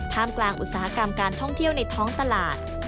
มกลางอุตสาหกรรมการท่องเที่ยวในท้องตลาด